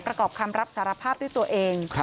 ประกอบคำรับสารภาพด้วยตัวเอง